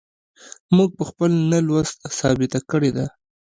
موږ په خپل نه لوست ثابته کړې ده.